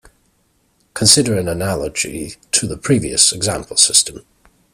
Consider an analogy to the previous example system.